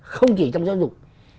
không chỉ trong giáo dục